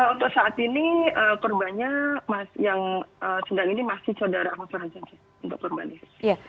untuk saat ini korbannya yang sedang ini masih saudara ahmad farhan